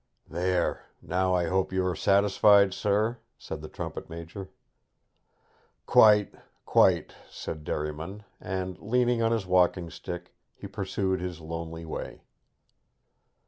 'There, now I hope you are satisfied, sir?' said the trumpet major. 'Quite, quite!' said Derriman; and, leaning on his walking stick, he pursued his lonely way.